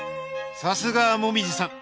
さすがは紅葉さん。